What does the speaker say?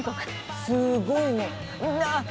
すごいね。